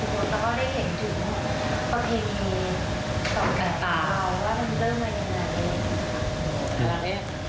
ต่อกับตาวว่ามันเริ่มไว้ยังไง